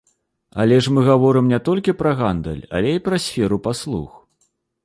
Але ж мы гаворым не толькі пра гандаль, але і пра сферу паслуг.